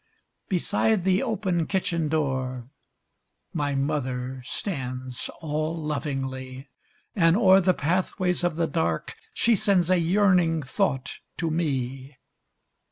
Beside the open kitchen door My mother stands all lovingly. And o'er the pathways of the dark She sends a yearning thought to me.